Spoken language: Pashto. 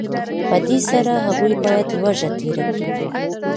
په دې سره هغوی باید لوږه تېره کړي